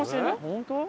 本当？